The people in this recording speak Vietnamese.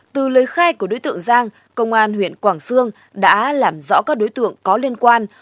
từ lời khai của đối tượng giang công an huyện quảng sương đã làm rõ các đối tượng có liên quan